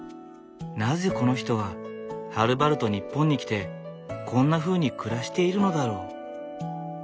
なぜこの人ははるばると日本に来てこんなふうに暮らしているのだろう？